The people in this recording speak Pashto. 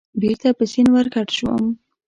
بېرته په سیند ورګډ شوم.